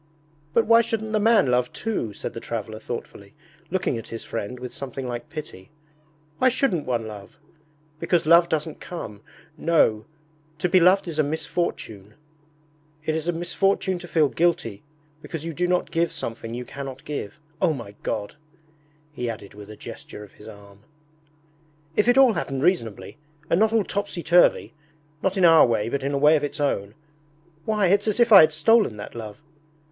'But why shouldn't the man love too?' said the traveller thoughtfully, looking at his friend with something like pity. 'Why shouldn't one love? Because love doesn't come ... No, to be beloved is a misfortune. It is a misfortune to feel guilty because you do not give something you cannot give. O my God!' he added, with a gesture of his arm. 'If it all happened reasonably, and not all topsy turvy not in our way but in a way of its own! Why, it's as if I had stolen that love!